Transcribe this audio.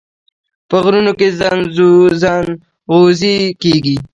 په غرونو کې ځنغوزي کیږي.